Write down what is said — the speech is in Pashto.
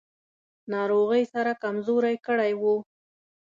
ناروغۍ سره کمزوری کړی و.